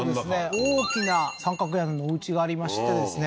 大きな三角屋根のおうちがありましてですね